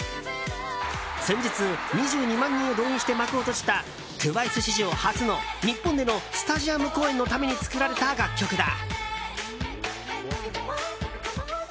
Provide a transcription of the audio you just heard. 先日２２万人を動員して幕を閉じたＴＷＩＣＥ史上初の日本でのスタジアム公演のために作られた楽曲だ。